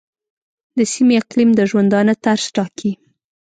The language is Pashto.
د سیمې اقلیم د ژوندانه طرز ټاکي.